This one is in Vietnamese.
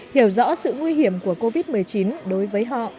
hiểu rõ sự nguy hiểm của covid một mươi chín đối với họ